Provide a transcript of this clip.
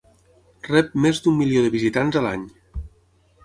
Rep més d'un milió de visitants a l'any.